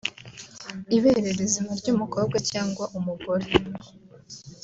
Ibere rizima ry’umukobwa cyangwa umugore